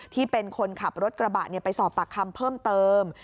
ที่เป็นคนขับรถกระบะไปสอบปากคำเพิ่มเติม